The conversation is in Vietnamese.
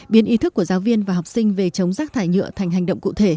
biến ý thức của giáo viên và học sinh về chống rác thải nhựa thành hành động cụ thể